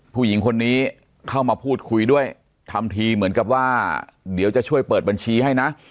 ผู้หญิงคนนี้เข้ามาพูดคุยด้วยทำทีเหมือนกับว่าเดี๋ยวจะช่วยเปิดบัญชีให้นะ